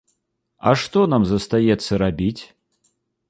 А што нам застаецца рабіць?